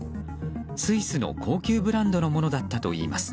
スイスの高級ブランドのものだったといいます。